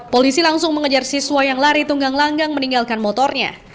polisi langsung mengejar siswa yang lari tunggang langgang meninggalkan motornya